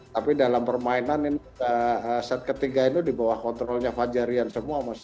tapi dalam permainan set ke tiga ini dibawah kontrolnya fajarian semua mas